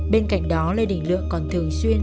bên cạnh đó lê đình lượng còn thường xuyên